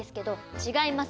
違います！